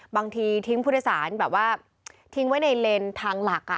บางทีทิ้งพุทธศาลแบบว่าทิ้งไว้ในเลนส์ทางหลัก